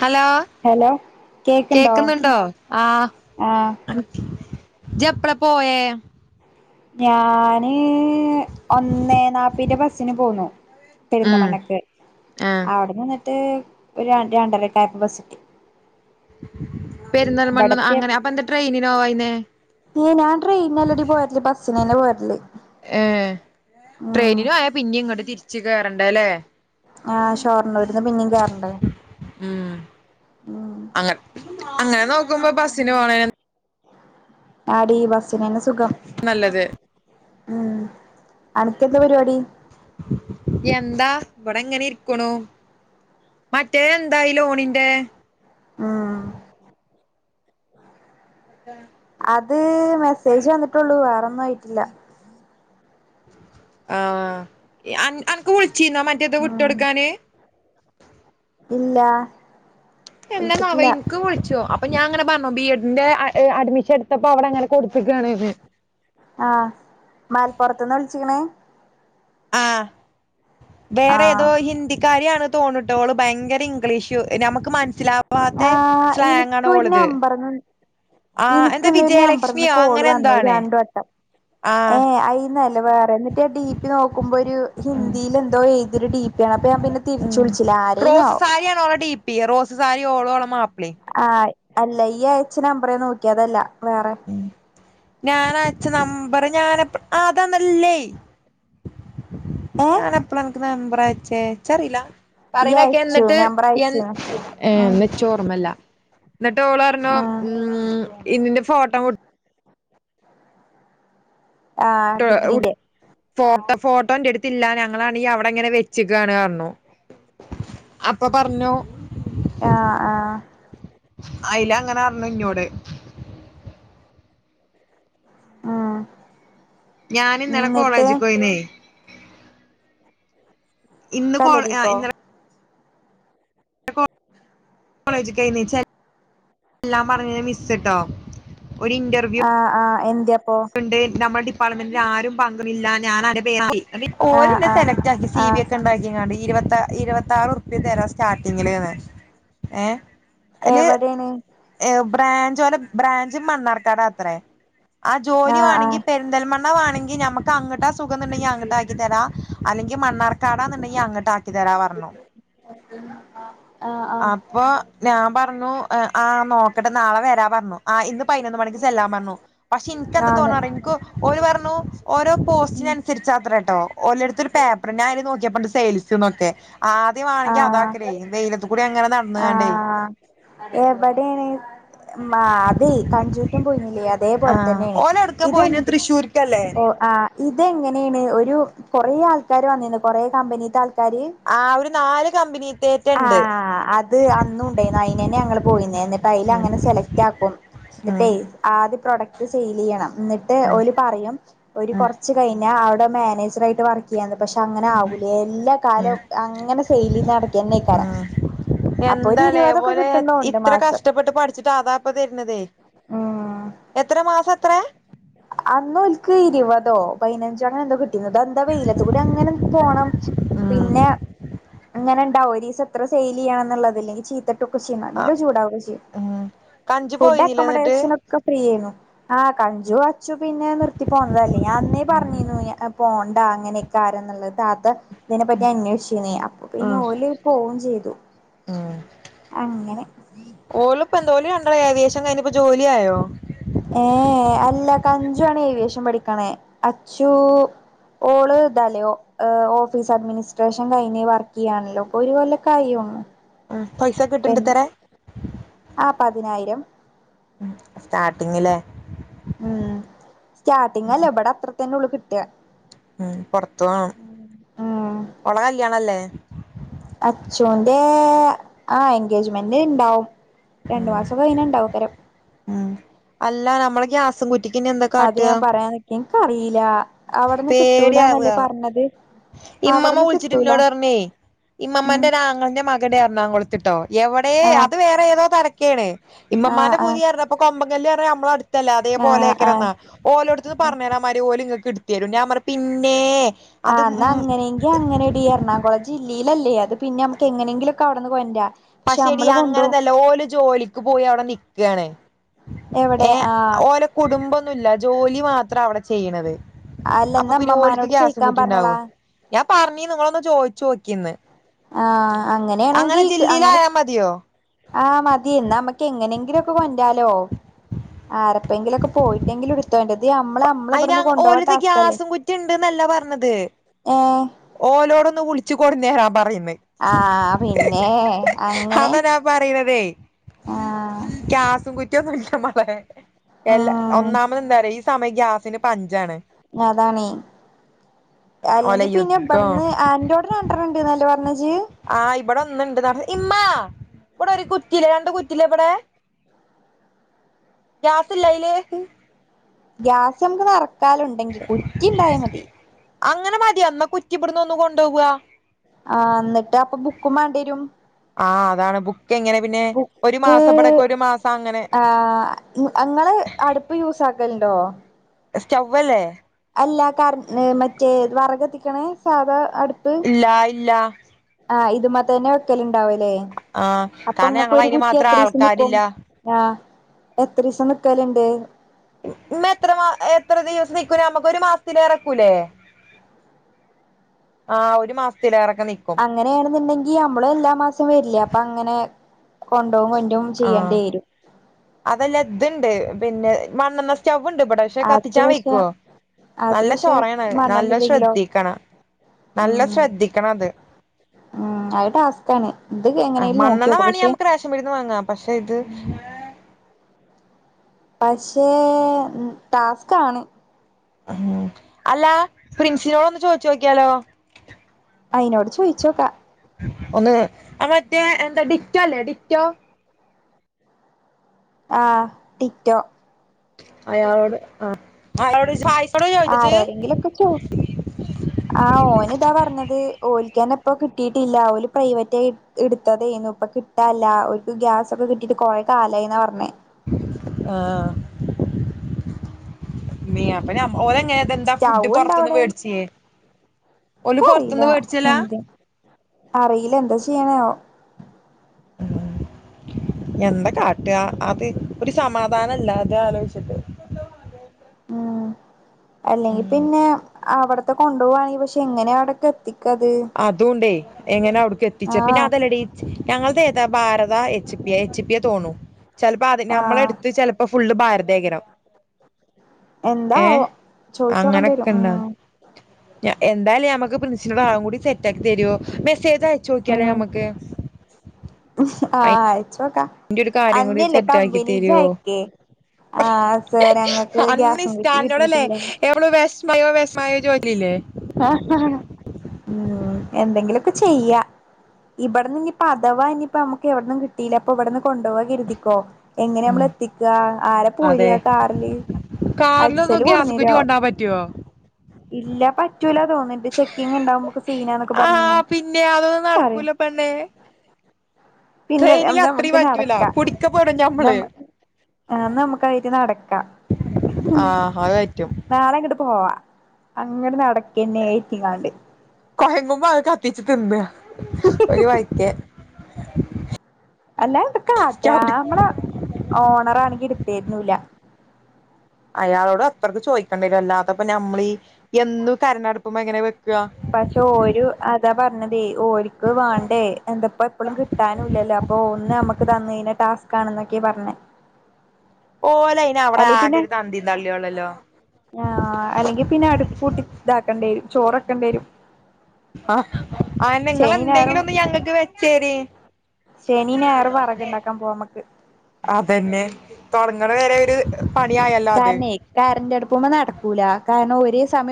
Hello hello കേക്ക്ണ്ടോ കേക്കുന്നുണ്ടോ ആഹ് ആഹ് ഇജ് എപ്പളാ പോയേ ഞാന് ഒന്നേ നാപ്പിന്റെബസിന് പോന്നു ഉം പെരുന്തമണ്ണക്ക് ആഹ് അവിട്ന്ന് ഒരു രണ്ടര ആയപ്പോ ബസിട്ടി പെരുന്തൽമണ്ണ ഇബടത്തെ അങ്ങനെ അപ്പൊ എന്താ ട്രെയിനിനോ പോയിന്നേ ഞാൻ ട്രയിന് അല്ലടി പോയത് ബസ്സ സിനന്നെ പോരല് ഏഹ് ഉം ട്രെയിനിനു പോയാ പിന്നെ ഇങ്ങ്ട്ട് തിരി രിച്ച് കേറണ്ടല്ലേ ആ ഷോർണൂരിന്ന് പിന്നെയും കേയറണ്ടേ ഉം ഉം അങ്ങനെ അങ്ങനെ നോക്കുമ്പോ ബസ്സിന് പോണെയാണ് - ആടി ബസ്സിന് തന്നെ സുഖം നല്ലത് ഉം അനക്ക് എന്താ പരിപാടി എന്താ ഇവിടെ ഇങ്ങനെ ഇരിക്കണു മറ്റേ എന്തായി ലോണിന്റെ ആഹ് അത് മെസ്സേജ് വന്നിട്ടുള്ളൂ വേറെ ഒന്നു ഒന്നും ആയിട്ടില്ല ആഹ് അന അനക്ക് വിളി വിളിച്ചിനോ മറ്റേത് ഉം വിട്ടുകൊടുക്കാന് ഇല്ല എ നാ [unintelligible] നാവേ വിളിച്ചിട്ടില്ല എനിക്ക് വിളിച്ചു അപ്പം ഞാൻ അങ്ങനെ പറഞ്ഞു ബി എഡ് ന്റെ അ അഡ്മിഷൻ എടു ഇപ്പൊ അവിടെ അങ്ങനെ കൊടുത്തിക്കുവാണ് ഇത്‌ ആഹ് മലപ്പുറത്ത്ന്ന് വിളിച്ചിക്ക്ണ് ആഹ് വേറെ ആഹ് ഏതോ ഹിന്ദി- കാര്യാണ് തോന്നുട്ടോ ഓള് ഭയങ്കര ഇംഗ്ലീഷ് ഞമുക്ക് മനസ്സില ആ എനിക്കൊരു നമ്പർന്ന് ആഹ് എന്താ എനിക്കന്ന് നമ്പർന്ന് വിജയലക്ഷ്മിയോ കോൾ അങ്ങനെ എന്തോ വന്നു ആണ് രണ്ടട്ടം ഏ ആഹ് നല്ല വേറെ എന്നിട്ട് ഡി പി നോക്കുമ്പോ ഒരു ഹിന്ദിയില എന്തോ എഴു ഇതിരു ഡിപി ആണ ഉം റോസ് സാരി യാണ് രാ ഡിപ്പി റോസ് സാരി [unintelligible] ഓളോഓള മാപ്പം ആ അല്ല ഈ അയച്ച നമ്പറേ നോക്കിയ അതല്ല വേറെ ഞാന അച്ച്ച നമ്പർ ഞാന അതാന്നല്ലേ ഏഹ് അപ്രച്ചേ ചരില്ല ഇയ്യ് പറയണൊക്കെ അയച്ചു എന്നിട്ട് നമ്പർ ൻ അയച്ചു ഏർ ഉം മെച്ചോഓർമ്മല്ല എന്നിട്ട് ഓളറിഞ്ഞോ ഉം ഉ ഇതിന്റെ ഫോട്ടോ മുട്ട ആ ഡിഗ്രീന്റെ ഫോട്ടോ ഫോട്ടോ എന്റെ അടുത്തല്ല ഞങ്ങളാണെങ്ക അവിടെ ഇങ്ങനെ വെച്ചക്കാണറു ആ ആ അയില അങ്ങനെ അന്നു ഇങ്ങോട് ഉം ഞാൻ ഇന്നലെ എന്നിട്ട് കോളേജിൽ പോയിന്നേ ഇന്ന് കോ കല്ലടിക്കോ ഇന്ന കോളേജ കഴീച്ച എല്ലാം പറഞ്ഞന് മിസ്സ് ഇട്ടോ ഒരു ഇന്റർവ്യൂ ഇന്ത്യ [unintelligible] ണ്ട് നമ്മുടെ പ ആരും പങ്കണില്ല ഞാന പേ [unintelligible] ആഹ് ഓലെ ആഹ് സെലക്ട് ആക്കി സി ബി ആഹ് ഒക്കെ ഉണ്ടാക്കിങ്ങാ ഇരുപ ഇരുപത്താറ് ഉറുപ്പ്യ തരാം സ്റ്റാർട്ടിങ്ങില്ന്ന ഏ [unintelligible] എവിടെയാണ് ബ്രാഞ്ച് പോലെ ബ്രാഞ്ച് മണ്ണാർക്കാട അത്രയേ [unintelligible] ആ ജോലി ആഹ് ആഹ് വണെങ്കിൽ പെരിന്തൽമണ്ണ ആണെങ്കി നമുക്ക് അങ്ങോട്ടാ സുഖം എന്നുണ്ടെങ്കി അങ്ങോട്ട ആക്കി തരാ അല്ലെങ്കിൽ മണ്ണാർക്കാടാ എന്നുണ്ടെങ്കി അങ്ങോട്ട ആക്കി തരാ പറഞ്ഞു ആഹ് ആഹ് അപ്പൊ ഞാൻ പറഞ്ഞു ആ നോക്കട്ടെ നാളെ വരാ പറഞ്ഞു ആ ഇന്ന് പതിനൊന്ന് മണിക്ക് ചെല്ലാൻ പറഞ്ഞു പക്ഷെ എനിക്ക് എന്താ ആണ് തോന്നു പറു എനിക്ക് ഒരു പറഞ്ഞു ഓരോ പോസ്റ്റിനനുസരിച്ച് അത്ര കേട്ടോ ഓരിടത്തൊരു പേപ്പറിര് നോക്കിയപ്പണ്ട് സെയിൽസ്ന്നൊക്കെ ആദ്യം ആണെങ്കിൽ അതാെകാലേ ആഹ എബടെണ് അതെ ക [unintelligible] [unintelligible] ആഹ ഒനോട്ക്ക പൊയ്ന് തൃശ്ശൂർക്കല്ലേ എങ്ങനെയാണ് ഒരു കൊറേ ആൾക്കാർ വന്നന് കൊറ കമ്പ ആ ഒരു നാല് ആ കമ്പനിത്തേറ്റണ്ട് അത് അന്നുണ്ടെനു അയ്നന്നേ ഞങ്ങൾ പോയിന്നേ ന്നട്ടയ്ലങ്ങനെ ഉം സെലക്ടാക്കും ഉം ന്നിട്ടെ ആദ്യ പ്രൊഡക്ട് സെയ്ലെയ്യണം ന്ന്ട്ട് ഉം ഓല് പറയും ഉം ഞാൻ അവ്ടെ മാനേജറായ്ട്ട് വർക്ക് ച പക്ഷെ അങ്ങനെ ആവൂലേ എല്ലാ ഉം ഉം കാലൊം അങ്ങനെ സെയിലെയ്ത് നടക്കെന്നേക്കാരം അപ്പൊ എന്താലേ ഒരിരുപതൊക്കെ ഓല് കിട്ടും ന്നോണ്ട് ഇത്ര മാസം കഷ്ടപ്പെട്ട് പഠിച്ചിട്ട് അതാപ്പ തരുന്നതേ എത്ര മാസം എത്ര ആ അന്നോൽക്ക് ഇരുവതോ പതിനഞ്ചോ അങ്ങനെന്തോ കിട്ടീണ് അതെന്താ വെയിലത്തൂടെങ്ങനെ പോണം ഉം പിന്നെ അങ്ങനെണ്ടാവും ഒരീസത്ര സെയിലെയ്യണം ന്നുള്ളത് അല്ലേൽ ചീത്ത ട്ടൊക്കെ ചെയ്യും ആ നല്ല ചൂടാവൊക്കെ ചെയ്യും ഉം കഞ്ച് ഫുഡ് പോയിന്നില്ലേ എന്നിട്ട് അക്കോമഡേഷൻ ഒക്കെ ഫ്രീ ഏനു ആ ആ കഞ്ചു ഞാ നിർത്തി പോന്നതല്ലേ ഞാനന്നേ പറ്ഞ്ഞീനു അത് പോണ്ട അങ്ങനെക്കാരം ന്ന്ള്ളത് താത്ത ഇതിനെപറ്റി അന്വേഷിച്ചീനി അപ്പോ പിന്നെ ഉം ഓല് പോകും ചെയ്തു ഉം അങ്ങനെ പ്പൊന്താ ഓൽ രണ്ടാളും ഏവിയേഷൻ കയ്ഞ്ഞ് പ്പോ ജോലിയായോ ഏ ഏ അല്ല കഞ്ചു ആണ് ഏവിയേഷൻ പഠിക്കണേ അച്ചു ഓള് ഇതാല ഓഫീസ് അഡ്മിനിസ്ട്രേഷൻ കയ്ഞ് വർക്ക്യ്യാണല്ലോ പ്പ ഒരു കൊല്ലക്കായി ആ പൈസ കിട്ടേണ്ട് ഇത്രേ ആഹ് പതിനായിരം സ്റ്റാർട്ടിങ്ങിലേ ഉം സ്റ്റാർട്ടിങ്ല്ലേ ഇവിടെ അത്ര തന്നെ ഉ കി കിട്ട്അ മ്മ് പൊറത്ത് പോണം ഉം ഓളെ കല്യാണല്ലേ അച്ചൂന്റെ ആ എൻഗേജ്മെന്റ് ഇണ്ടാവും. രണ്ടു മാസം കഴിഞ്ഞാ ഇണ്ടാവേക്കാരം മ്മ് അല്ല നമ്മളെ ഗ്യാസും കുറ്റി റ്റിക്ക്ന്ന്യ ന്താ കാട്ട്ആ ഇൻകറീല പേട്യാവാ ഇമ്മമ്മ അവിടുന്ന് വിളിച്ചിട്ട് കിട്ടൂല ഇന്നോടറ്ഞേ ഉം ഇമ്മമ്മന്റെ ഒരാങ്ങളൻ്റെ മകന്റ് എറണാകുളത്ത് തിട്ടോ [unintelligible] എവടെ ആ അത് വേറെ ഏതോ തര ക്കേണ് ആ ഇമ്മമ്മാന്റെ ആ പൂതിപറഞ്ഞ ഇപ്പോ കൊമ്പങ്കല്ല് പറഞ്ഞാ നമ്മളെ അട്ത്തല്ലേ അതേ ആ ആ പോലേക്കരം ന്നാ ഓലെടുത്ത്ന്ന് പറഞ്ഞാ മതി ഓല് ങ്ങക്ക് എടു തരും ഞാൻ പറഞ്ഞ് പിന്നെ ആ ന്നാ അങ്ങനെങ്കി അങ്ങനെ ടി എറണാകുളം ജില്ല ലല്ലേ അത് പിന്നെ നമക്ക് എങ്ങനെങ്കിലൊക്കെവിടന്ന് കൊണ്ടരാ പക്ഷെ പക്ഷെടി നമ്മള് കൊണ്ടോവും അങ്ങനൊന്നല്ല ഓല് ജോലിക്ക് പോയി അവിടെ നിക്കാണ് എവിടെ ഏ ആ ഓലെ കുടുംബൊന്നുല്ല ജോലി ണി മാത്ര അവിടെ ചെയ്യ്ണത് അല്ല ന്നാ മ്മമ്മാനോട് ചോയിക്കാൻ പറഞ്ഞാളാ പറഞ്ഞീനു ങ്ങളൊന്ന് ചോയ്ചോക്കിന്ന് ആ അങ്ങനെയാണെങ്കിൽ അങ്ങനെ ജില്ലീലായാ മതിയോ ആ മതി യെന്നാ നമക്ക് എങ്ങനെ എങ്ങനെ യൊക്കെ കൊണ്ടാലോ? ആരപ്പങ്കിലൊക്കെ പോയിട്ടെങ്കിലും എടുത്ത അയിനാ ഓലത്തെ ഗ്യാസും കുറ്റി ഉണ്ടന്നല്ല പറഞ്ഞത്. ഏ ഓലോട ഒന്ന് വിളിച്ചു കൊടുന്ന രാ പറ പറയ്. ആ പിന്നെ അങ്ങനെ അതാ ഞാൻ പറയണതേ ആ [unintelligible] എല്ലാ ഉം ഒന്നാമത് എന്താ റയാ ഈ സമയം ഗ്യാ നിത്തിന് പഞ്ചാണ്. അതാണേ. ഓലെ അല്ലെങ്കി പിന്നെ യുദ്ധം ഇവിടുന്ന അൻ്റോ ടെ രണ്ടണ്ണം ണ്ടന്നല്ലെ പറഞ്ഞ് ഇജി ആ ഇവിടെ ഒന്നുണ്ട്. ന്ന് റഞ്ഞു ഇമ്മാ ഇവിടെ ഒരു കുറ്റില്ലേ രണ്ട് കുറ്റി േല്ല ഇവിടെ? ഗ്യാസ് ഇല്ലായില്? ഗ്യാസ് നമുക്ക് നിറക്ക കാലി ഉണ്ടെങ്കി കുറ്റി ഉണ്ടായാ മതി. അങ്ങനെ മതി എന്നാൽ കുറ്റി ഇബു ടുന്ന് ഒന്ന് കൊണ്ടുവാ. ആ എന്നിട്ട് അപ്പൊ ബുക്കും മാണ്ടി രും. ആ അതാണ് ബുക്ക് എങ്ങനെ പിന്നെ ഒരു ബുക്ക് മാസം ഇവിടൊക്കെ ഒരു മാസം അങ്ങനെ ആ നിങ്ങള് അടുപ്പ് യൂസ് ആക്കല ട്ടോ? സ്റ്റവ്വല്ലേ? അല്ല ക മറ്റേ വറക് കത്തിക്കണേ സാധാ. അടുപ്പ് ഇല്ല. ഇല്ല. ഇതുമേ തന്നെ വെക്കല്. ണ്ടാവല്ലേ? ആഹ് അപ്പൊ കാരണം ഇങ്ങക്ക് ഞങ്ങള ഒരു അയിന് കുറ്റി മാത്രം എത്ര ദിവസം നിക്കും? ആൾക്കാരില്ല ആ. എത്ര ദിവസം നിക്കലുണ്ട്? മ്മ എത്ര മാ എത്ര ദിവസം നിക്കൂ നമ്മുക്ക് ഒരു മാസത്തിലേറെ നിക്കു ലേ? ആ ഒരു മാസത്തില ഇറക്ക അങ്ങനെയാണെന്നുണ്ടെങ്കി നമ്മള് എല്ലാ മാസം വരില്ല. അപ്പൊ അങ്ങനെ കൊ ആ അതല്ല ഇതുണ്ട്? പിന്നെ മണ്ണെണ്ണ സ്റ്റവ ഉണ്ട് ഇബിടെ പക്ഷെ അത് കത്തിച്ചാൻ പക്ഷെ വെക്കുവോ? അത് നല്ല പക്ഷെ ചോറയണം നല്ല മണ്ണണ്ടില്ലെങ്കിലോ ശ്രദ്ധിക്കണം. നല്ല ഉം ശ്രദ്ധിക്കണം അത് ഉം അത് ടാസ്കാണ് ഇത് ആഹ് എങ്ങനെലും മണ്ണണ്ണ നോക്കിയോക്കാം വാണീ പക്ഷെ നമക്ക് റേഷൻ പീട്യേന്ന് വാങ്ങാം. പക്ഷെ ഇത് പക്ഷേ ഉം ടാസ്ക് ആണ്. ഹാ അല്ല. പ്രിൻസിനോട് ഒന്ന് ചോയ്ച്ചു നോക്കിയാലോ? അയിനോട് ചോയിച്ചോക്കാ. ഒന്ന് ആ മറ്റേ എന്താ ഡിറ്റോ ല്ലേ ഡിറ്റോ ആഹ് ടിറ്റോ അയാളോട് ആഹ് ആളോട് ച് പായ്സ് ആരോടെങ്കിലൊക്കെ ചോ ആഹ് ഓന് ദാ പർഞ്ഞത് ഓൽക്കെന്നിപ്പോ കിട്ടീട്ടില്ല ഓല് പ്രൈവറ്റായി ഇട്ത്തതേനു ഇപ്പൊ കിട്ടാല്ല ഓര്ക്ക് ഗ്യാസൊക്കെ കിട്ടീട്ട് കൊറെ കാലായീന്നാ പർഞ്ഞേ. ആഹ് ഇമ്മീ യപ്പ ഞമ് സ്റ്റൗവ്വ്ണ്ടവിടെ. ഓല് പൊറത്തുന്ന് ഇക്കറീല്ലാ വേടിച്ചലാ എന്ത് അറീല്ല എന്താ ചെയ്യ്ണേ ആവം ഉം എന്താ കാട്ടാ അത്. ഒര് സമാധാനല്ലാ അത് ആലോയിച്ചിട്ട്. ഉം അല്ലെങ്കി പിന്നേ അവടത്തെ കൊണ്ടോവാണെങ്കി പക്ഷേ എങ്ങനേ അവടെക്കെത്തി അതൂണ്ടേ. എങ്ങനെ അവ്ട് ക്കെത്തിച്ച പിന്നെ ആഹ് അതല്ലടീ ഞങ്ങള്തേ താ ഭാരതാ എച്ച് പി യ. എച്ച് പി യാ തോണു. ചെൽപ്പോ അത് ആഹ് ഞമ്മളെടുത്ത് ചെലപ്പോ ഫുള്ള് ഭാരതേകണം ഏഹ് എന്താവോ ചോയിച്ചോക്കേണ്ടി വരും അങ്ങനെക്കിണ്ടാ ഉം ഞാ എന്തായാലും ഞമ്മക്ക് പ്രിൻസിനോട് നാളെകൂടി സെറ്റാക്കിത്തരുവോ മെസ്സേജ് അയച്ചോക്കിയാലോ ഉം ഞമ്മക്ക് ച്ചോക്കാ അയിന്റെ ഒരു കാര്യം കൂടി അന്ന്യല്ലേ സെറ്റ് ആക്കി കമ്പനി തരുവോ ഇജ്ജായ്ക്കേ ആഹ് സാർ ഞങ്ങക്ക് അന്ന് ഗ്യാസും കുറ്റി കിട്ടീട്ടില്ല മായോ ചോയ്ക്ക്ലില്ലേ ഉം എന്തെങ്കിലൊക്കെ ചെയ്യാ ഇവിടന്നിനിപ്പ അഥവാ ഇനിപ്പ അമുക്ക് എവട്ന്നും കിട്ടീല്ലപ്പൊ ഇവിടന്ന് കൊണ്ടോവാ കരുതിക്കോ എങ്ങനെയാമ്മള് ആഹ് എത്തിക്കാ ആരാ അതെ പോര്കാ കാറില് കാറിലൊന്നും അജ്സല് ഗ്യാസ് കുറ്റി കൊട്ന്നെര്യോ കൊണ്ടാൻ പറ്റുവോ ഇല്ല പറ്റ് റ്റൂലാ തോന്ന്ണ്ട് ചെക്കിങ്ങ്ണ്ടാവും നമക്ക് ആഹ് പിന്നേ അതൊന്നും പറയും നടക്കൂല പെണ്ണേ പിന്നെ എന്നാ ട്രെയിനിൽ ഏന്താ അത്രയും അമക്ക് പറ്റൂല നടക്കാ പിടിക്കപ്പെടും ഞമ്മള് നമ്മ ആഹ് നമുക്കായിട്ട് നടക്കാം ആഹ് അത് പറ്റും നാളെങ്ങട് പ് പോവാ അങ്ങ്ട് നടക്ക് കൊയമ്പുമ്പ അത് കത്തിച്ചു തിന്ന് ഒരു വായിക്കേ അല്ലാ എന്താ കാട്ട്കാ അമ്മള ഓണറാണെങ്കില് തെര്ണൂല്ല അയാളോട് അത്രക്ക് ചോയിക്കണ്ടേനു അല്ലാതപ്പ ഞമ്മളീ എന്നും കരണ്ടടുപ്പുമ്മ എങ്ങനേ വെക് പക്ഷെ ഓരു അതാ പറ് ന്നതേ ഓൽക്ക് വാണ്ടേ എന്തപ്പ എപ്പളും കിട്ടാനുല്ലല്ലോ അപ്പൊ ഒന്നമ്മക്ക് തന്നീന ടാസ്ക് കാണുന്നൊരെക്കീം പറഞ്ഞ് ഓലയിന് അവിടെ അല്ലെയ്പിന്നെ ആകെ ഒരു തന്തീം തള്ളിയൊള്ളല്ലോ ആ അല്ലെങ്കി പിന്നെ അടുപ്പൂട്ടി വക്കെണ്ടേരും ചോറക്കെണ്ടേരും ആ ആഹന്നെ ഞായറും ങ്ങളെന്തെങ്കിലൊന്ന് ഞങ്ങക്ക് വെ ച്ചേരി ശനി ഞായറും വറക്ണ്ടാക്കാൻ പോവാ നമ്മക്ക് അതന്നെ തൊടങ്ങ്ണരെ കാരണേ കരന്റടുപ്പുമ്മെ നടക്കൂലാ കാരണം ഓര് [unintelligible]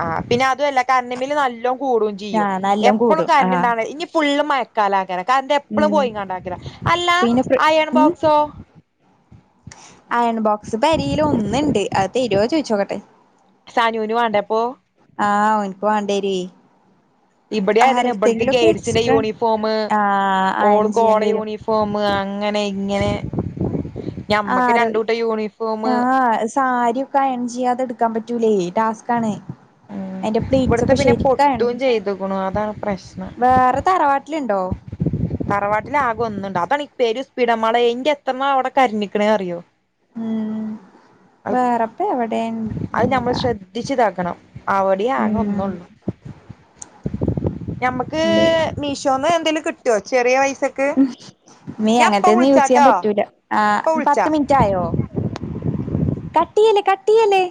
ആ പിന്നെ അതുഅല്ല കരണ്ടിംബില്ല് നല്ലോംകൂടുംചെയ്യും ആഹ് നല്ലോം എപ്പളും കൂടും ആഹ് കരണ്ട്ണ്ടാവ ഇനിപ്പുള്ള് മഴ കാലാ കാര കര്ന്റെപ്പളും ഉം പോയിംകണ്ടാക്ക്രാ അല്ലാ പിന്നെ ഫ്രി അയൺ ഉം ബോക്സോ അയൺ ബോക്സ് പെരീലൊന്ന് ണ്ട് അത് തരോ ചോയ്ചോക്കട്ടെ സാനൂന് വാണ്ടപ്പോ ആ ഓന്ക്ക് വാഡേരി ഇപടിം ആയതന്നെ ഇബൾക്ക്കേട്സിന്റെ യൂണിഫോമ് ആഹ് അയൺ ഓൾക്ക് ഓളെ ചെയ്യേണ്ടിരും യൂണിഫോമ് അങ്ങനെ ഇങ്ങനെ ഞമ്മക്ക് ആരോ രണ്ടൂട്ടം യൂണിഫോമ് ആ സാരിയൊക്കെ അയൺ ചെയ്യാതെടുക്കാൻ പറ്റു ലൈ ടാസ്കാണ് ഉം ഐന്റെ ഇവിടുത്തെ പ്ലീറ്റ്സൊക്കെ പിന്നെ പൊട്ടും ശരിക്കയൺചെയ്യണം ചെയ്തുക്കുണു അതാണ് പ്രശ്നം വേറെ തറവാട്ട് ല്ണ്ടോ തറവാട്ടില് ആകെഒന്നുണ്ട് അതണീ പേരുസ്പിടമളേ ന്റെത്രണ്ണാ അവിടെ കര്ഞ്ഞ്ക്ക്ണ് അറിയോ ഉം അഹ് വേറെപ്പ എവിടെ അത് ഞമ്മള് ഉണ്ടാ ശ്രദ്ധിച്ച്താക്കണം അവിടിം ഉം ആകെന്നൊള്ളൂ ഞമ്മക്ക് മീഷോന്ന് എന്തേലും ട്ടൊ ചെറിയ പൈസ് നീ അങ്ങനത്തെ നീ യൂസ് ചെയ്യാൻ വിളിച്ചാട്ടോ പറ്റൂല ആ ഇപ്പ വിളിച്ചാ പത്ത് മിൻറ്റ് ആയോ കട്ടിയ്യെല്ലേ കട്ടിയ്യെല്ലേ